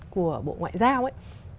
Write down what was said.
của bộ ngoại giao ấy